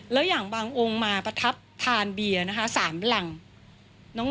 แล้วอย่างบางองค์มาประทับทานเบียร์นะคะ๓แหล่ง